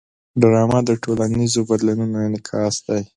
ډرامه د ټولنیزو بدلونونو انعکاس دی